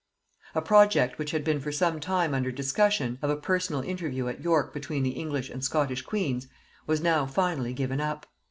] A project which had been for some time under discussion, of a personal interview at York between the English and Scottish queens, was now finally given up.